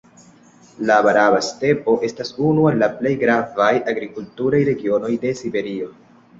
La Baraba-stepo estas unu el la plej gravaj agrikulturaj regionoj de Siberio.